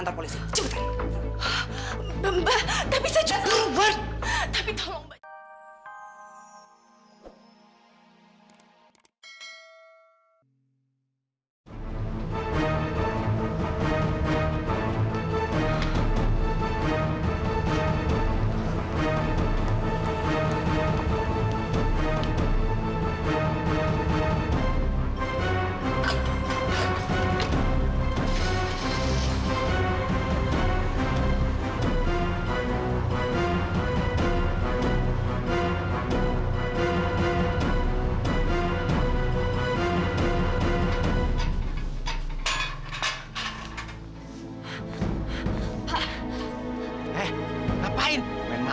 sampai jumpa di video selanjutnya